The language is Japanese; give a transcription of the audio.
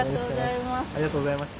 ありがとうございます。